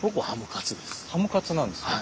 ハムカツなんですね。